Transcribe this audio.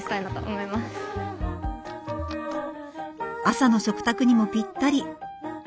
朝の食卓にもぴったり。